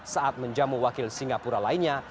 saat menjamu wakil singapura lainnya